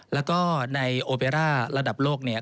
แล้วก็ในโอเบร่าระดับโลกเนี่ย